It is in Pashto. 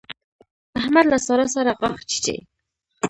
احمد له سارا سره غاښ چيچي.